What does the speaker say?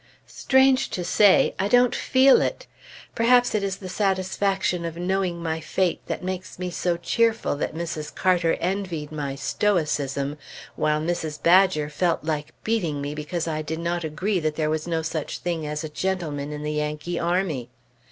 Strange to say, I don't feel it. Perhaps it is the satisfaction of knowing my fate that makes me so cheerful that Mrs. Carter envied my stoicism, while Mrs. Badger felt like beating me because I did not agree that there was no such thing as a gentleman in the Yankee army.